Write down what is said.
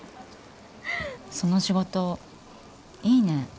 その仕事いいね。